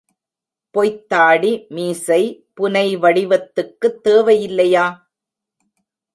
பொய்த்தாடி, மீசை, புனைவடிவத்துக்குத் தேவையில்லையா?